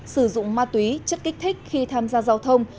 sử dụng ma túy chất kích thích khi tham gia giao thông